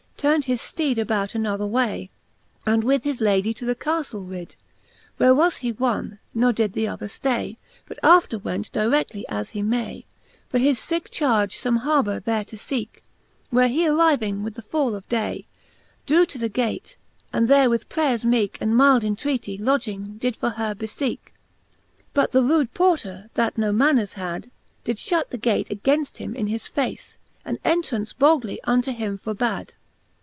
Turned his fteede about another way, And with his Lady to the Caftle rid, Where was his won; ne did the other ftay, But after went dire6ily as he may, For his licke charge fbme harbour there to feeke j Where he arriving with the fall of day, Drew to the gate, and there with prayers meeke, And myld entreaty, lodging did for her befeeke. XXXVIII. But the rude porter, that no manners had, Did fhut the gate againft him in his face, And entraunce boldly unto him forbad.